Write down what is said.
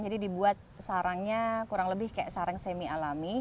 jadi dibuat sarangnya kurang lebih kayak sarang semi alami